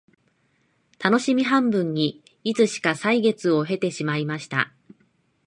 たのしみ半分にいつしか歳月を経てしまいました